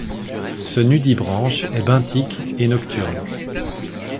Ce Nudibranche est benthique et nocturne.